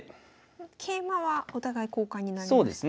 桂馬はお互い交換になりますよね。